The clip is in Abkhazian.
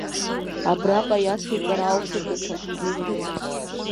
Абраҟа иацуҵар алшоит даҽакгьы.